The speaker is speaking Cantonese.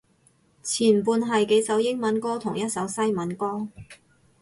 前半係幾首英文歌同一首西文歌